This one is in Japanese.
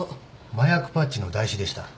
麻薬パッチの台紙でした。